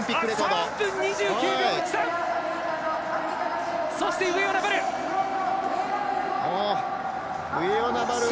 ３分２９秒１３！